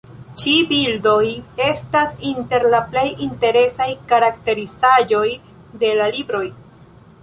Ĉi-bildoj estas inter la plej interesaj karakterizaĵoj de la libroj.